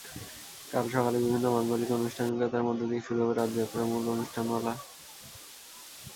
কাল সকালে বিভিন্ন মাঙ্গলিক আনুষ্ঠানিকতার মধ্য দিয়ে শুরু হবে রথযাত্রার মূল অনুষ্ঠানমালা।